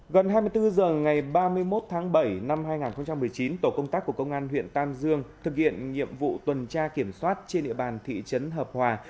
gần hai mươi bốn h ngày ba mươi một tháng bảy năm hai nghìn một mươi chín tổ công tác của công an huyện tam dương thực hiện nhiệm vụ tuần tra kiểm soát trên địa bàn thị trấn hợp hòa